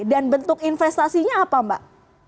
dan bentuk investasinya apa mbak